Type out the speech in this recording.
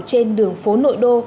trên đường phố nội đô